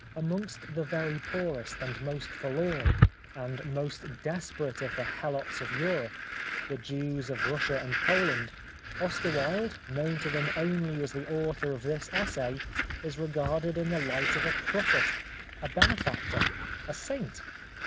Amongst the very poorest and most forlorn, and most desperate of the helots of Europe, the Jews of Russia and Poland, Oscar Wilde, known to them only as the author of this essay, is re garded in the light of a prophet, a benefactor, a 131 The Life of Oscar Wilde saint.